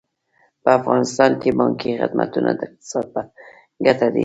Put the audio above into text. په افغانستان کې بانکي خدمتونه د اقتصاد په ګټه دي.